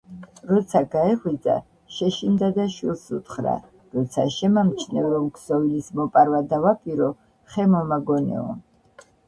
როცა გაეღვიძა, შეშინდა და შვილს უთხრა: როცა შემამჩნევ რომ ქსოვილის მოპარვა დავაპირო, ხე მომაგონეო!